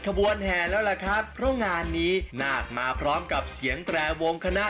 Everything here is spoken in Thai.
ขบวนแห่แล้วล่ะครับเพราะงานนี้นาคมาพร้อมกับเสียงแตรวงคณะ